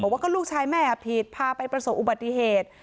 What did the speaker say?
ว่าก็ลูกชายแม่ผิดพาไปประสบอุบัติเหตุ